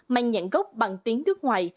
mang nhãn gốc bằng tiếng nước ngoài